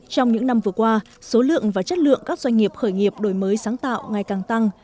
trong những năm vừa qua số lượng và chất lượng các doanh nghiệp khởi nghiệp đổi mới sáng tạo ngày càng tăng